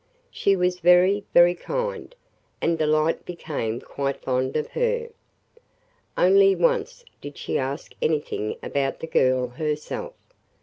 She was very, very kind, and Delight became quite fond of her. Only once did she ask anything about the girl herself.